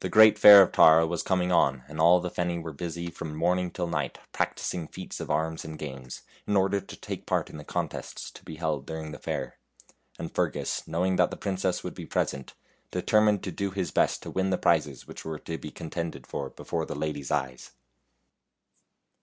The great fair of Tara 8 was coming on, and all the Feni were busy from morning till night practicing feats of arms and games, in order to take part in the contests to be held during the fair. And Fergus, knowing that the princess would be present, determined to do his best to win the prizes which were to be contended for before the ladies' eyes.